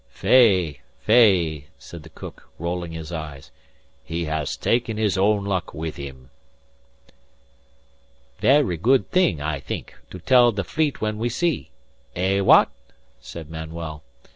"Fey! Fey!" said the cook, rolling his eyes. "He haas taken his own luck with him." "Ver' good thing, I think, to tell the Fleet when we see. Eh, wha at?" said Manuel.